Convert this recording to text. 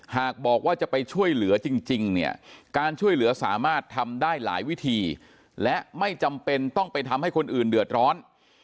หากบอกว่าจะไปช่วยเหลือจริงเนี่ยการช่วยเหลือสามารถทำได้หลายวิธีและไม่จำเป็นต้องไปทำให้คนอื่นเดือดร้อน